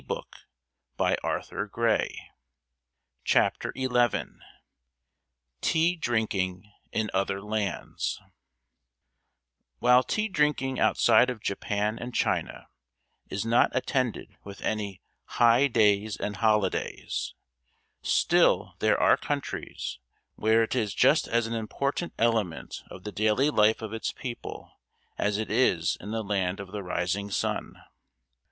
[Illustration of Japanese garden] TEA DRINKING IN OTHER LANDS While tea drinking outside of Japan and China is not attended with any "high days and holidays," still there are countries where it is just as important element of the daily life of its people as it is in the Land of the Rising Sun.